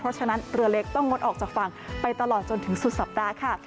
เพราะฉะนั้นเรือเล็กต้องงดออกจากฝั่งไปตลอดจนถึงสุดสัปดาห์ค่ะ